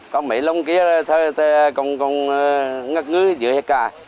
còn mấy lồng kia còn ngất ngứ giữa hết cả